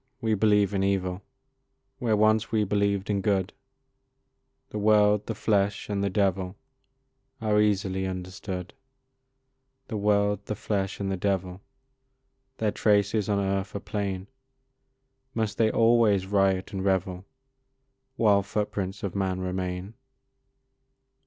we believe in evil, Where once we believed in good, The world, the flesh, and the devil Are easily understood; The world, the flesh, and the devil Their traces on earth are plain; Must they always riot and revel While footprints of man remain?